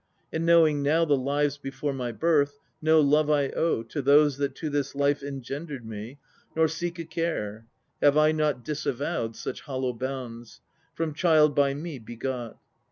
And knowing now the lives before my birth, No love I owe To those that to this life engendered me, Nor seek a care (have I not disavowed Such hollow bonds?) from child by me begot.